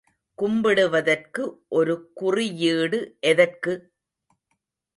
கும்பிடுவதற்கு ஒரு குறியீடு எதற்கு?